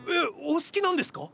お好きなんですか？